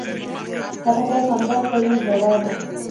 خټکی خندا کوي، ژړا نه.